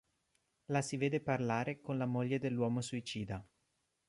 La si vede parlare con la moglie dell'uomo suicida.